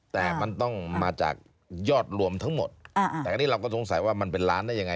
แต่มันต้องมาจากยอดรวมทั้งหมดแต่อันนี้เราก็สงสัยว่ามันเป็นล้านได้ยังไง